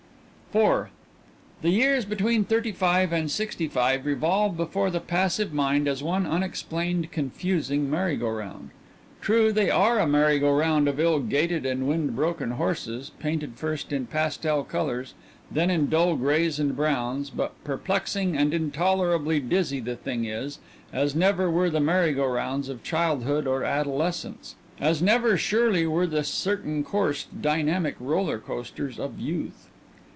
IV The years between thirty five and sixty five revolve before the passive mind as one unexplained, confusing merry go round. True, they are a merry go round of ill gaited and wind broken horses, painted first in pastel colors, then in dull grays and browns, but perplexing and intolerably dizzy the thing is, as never were the merry go rounds of childhood or adolescence; as never, surely, were the certain coursed, dynamic roller coasters of youth.